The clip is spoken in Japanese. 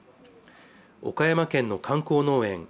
岡山県の観光農園